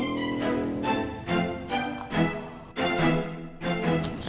tidak suka berbagi